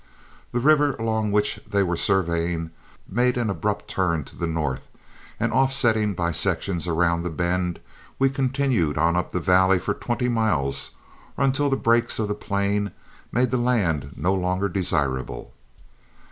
The river, along which they were surveying, made an abrupt turn to the north, and offsetting by sections around the bend, we continued on up the valley for twenty miles or until the brakes of the Plain made the land no longer desirable.